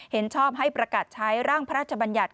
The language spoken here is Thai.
เห็นชอบให้ประกาศใช้ร่างพระราชบัญญัติ